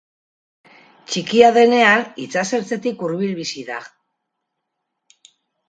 Txikia denean itsasertzetik hurbil bizi da.